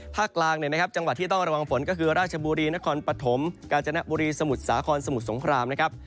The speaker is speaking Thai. กลางเนี่ยนะครับจังหวัดที่ต้องระวังฝนก็คือราชบุรีนครปฐมกาญจนบุรีสมุทรสาครสมุทรสงครามนะครับ